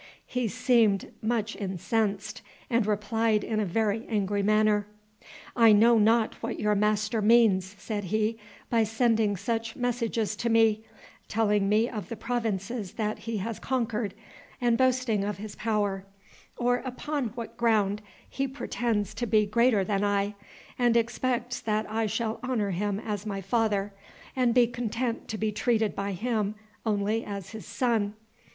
He seemed much incensed, and replied in a very angry manner. "I know not what your master means," said he, "by sending such messages to me, telling me of the provinces that he has conquered, and boasting of his power, or upon what ground he pretends to be greater than I, and expects that I shall honor him as my father, and be content to be treated by him only as his son.